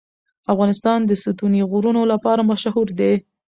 افغانستان د ستوني غرونه لپاره مشهور دی.